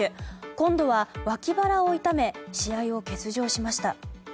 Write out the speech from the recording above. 今度は脇腹を痛め試合を欠場しました。